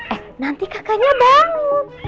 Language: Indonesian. eh nanti kakaknya bangun